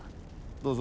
どうぞ。